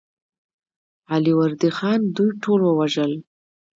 علي وردي خان دوی ټول ووژل.